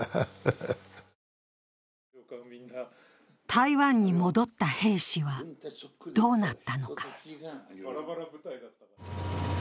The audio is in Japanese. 台湾に戻った兵士はどうなったのか。